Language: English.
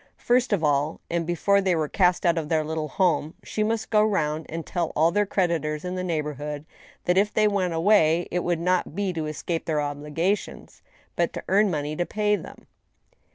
First of all, and before they were cast out of their little home, she must go round and tell all their creditors in the neighborhood that if they went away it would not be to escape their obligations, but to earn money to pay them.